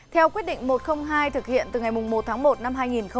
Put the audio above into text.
theo quyết định một trăm linh hai thực hiện từ ngày một tháng một năm hai nghìn hai mươi